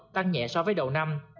tăng nhẹ so với đầu năm